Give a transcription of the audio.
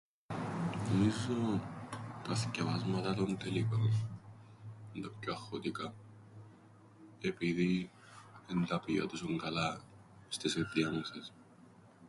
Νομίζω τα θκιαβάσματα των τελικών εν' τα πιο αγχωτικά, επειδή εν τα επήα τόσον καλά στες ενδιάμεσες.